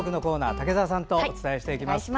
竹澤さんとお伝えしていきます。